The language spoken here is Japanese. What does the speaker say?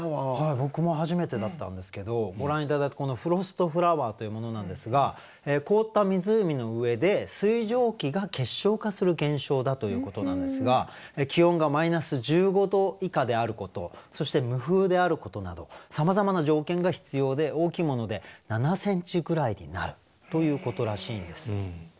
僕も初めてだったんですけどご覧頂いたこのフロストフラワーというものなんですが凍った湖の上で水蒸気が結晶化する現象だということなんですが気温がマイナス１５度以下であることそして無風であることなどさまざまな条件が必要で大きいもので７センチぐらいになるということらしいんです。